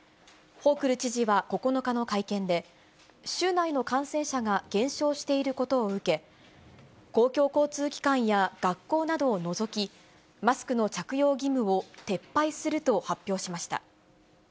ホークル知事は９日の会見で、州内の感染者が減少していることを受け、公共交通機関や学校などを除き、マスクの着用義務を撤廃すると発表しました。